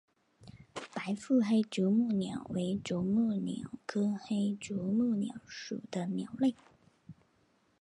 白腹黑啄木鸟为啄木鸟科黑啄木鸟属的鸟类。